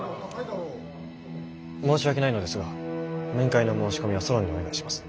申し訳ないのですが面会の申し込みはソロンにお願いします。